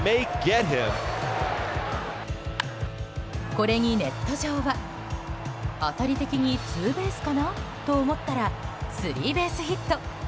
これにネット上は当たり的にツーベースかなと思ったらスリーベースヒット。